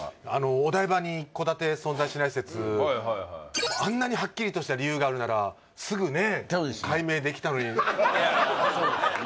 お台場に一戸建て存在しない説あんなにはっきりとした理由があるならすぐね解明できたのにそうですよね